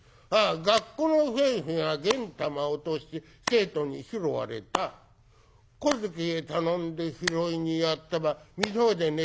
学校のふぇんふぇがげん玉落として生徒に拾われた小使へ頼んで拾いにやったばみそにでたどどだ